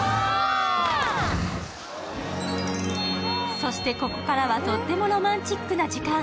そしてここからはとってもロマンティックな時間。